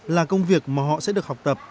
là công việc mà họ sẽ được học tập